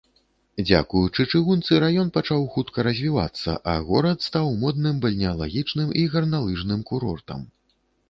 Дзякуючы чыгунцы раён пачаў хутка развівацца, а горад стаў модным бальнеалагічным і гарналыжным курортам.